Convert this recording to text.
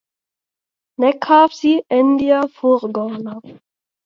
Nekāpsi Endija furgonā.